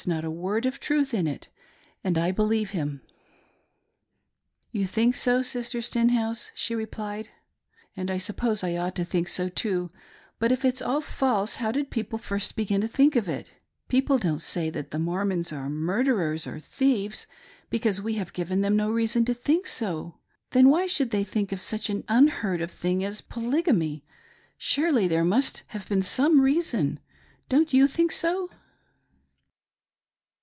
not a word of truth in it, and I believe him." " You think so. Sister Stenhouse," she replied, " and I sup pose I ought to think so too, but if it's all false how did people first begin to think of it .' People don't say that the Mormons are murderers or thieves, because we have given them no reason to think so. Then why should they think of such an unheard of thing as Polygamy — surely there must have been some reason. Don't you think so